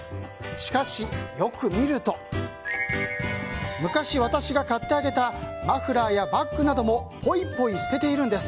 しかし、よく見ると昔、私が買ってあげたマフラーやバッグなどもポイポイ捨てているんです。